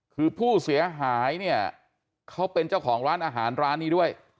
คือผู้เสียหายเนี่ยเขาเป็นเจ้าของร้านอาหารร้านนี้ด้วย